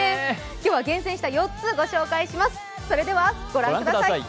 今日は厳選した４つご紹介します。